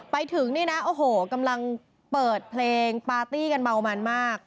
ไปถึงนี่นะโอ้โหกำลังเปิดเพลงปาร์ตี้กันเมามันมาก